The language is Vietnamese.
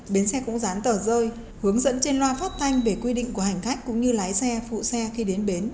bến xe cũng dán tờ rơi hướng dẫn trên loa phát thanh về quy định của hành khách cũng như lái xe phụ xe khi đến bến